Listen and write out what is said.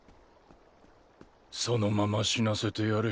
そのまま死なせてやれ。